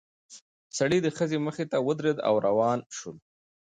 سړی د ښځې مخې ته ودرېد او روان شول.